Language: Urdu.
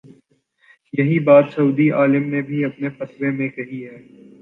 یہی بات سعودی عالم نے بھی اپنے فتوے میں کہی ہے۔